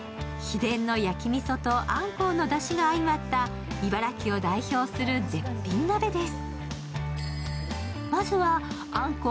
秘伝の焼きみそとあんこうのだしがあいまった茨城を代表する絶品鍋です。